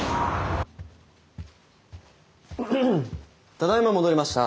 ただいま戻りました。